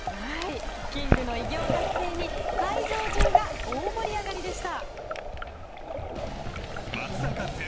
キングの偉業達成に会場中が大盛り上がりでした。